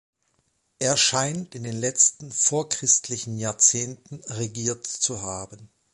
Er scheint in den letzten vorchristlichen Jahrzehnten regiert zu haben.